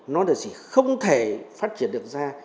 nó là gì không thể phát triển được ra